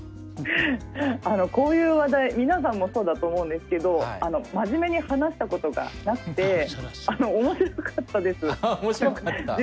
こういう話題皆さんもそうだと思うんですけど真面目に話したことがなくて面白かったです。